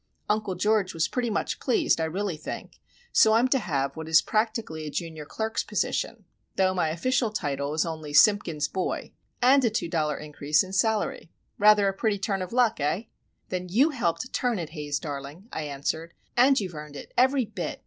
Uncle George was very much pleased, I really think; so I'm to have what is practically a junior clerk's position,—though my official title is only 'Simpkins' boy,'—and a two dollar increase in salary. Rather a pretty turn of luck, hey?" "Then you helped turn it, Haze darling," I answered. "And you've earned it every bit!